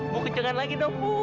mau kenceng kan lagi dong bu